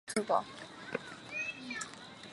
生母法印德大寺公审之女荣子。